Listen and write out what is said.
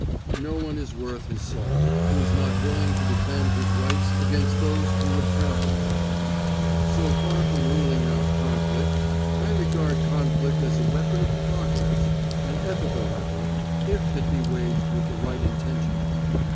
No one is worth his salt who is not willing to defend his rights against those who would trample on them. So far from ruling out conflict, I regard conflict as a weapon of progress an ethical weapon, if it be waged with the right intentions.